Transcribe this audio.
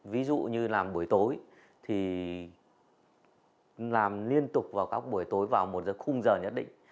ví dụ như làm buổi tối thì làm liên tục vào các buổi tối vào một khung giờ nhất định